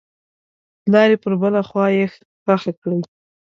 دلارې پر بله خوا یې ښخه کړئ.